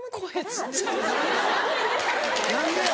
何でや？